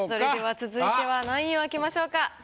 続いては何位を開けましょうか？